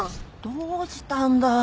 どうしたんだい！